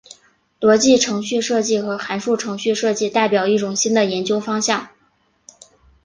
逻辑程序设计和函数程序设计代表一种新的研究方向。